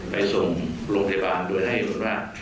ไปส่งโรงพยาบาลโดยให้ว่า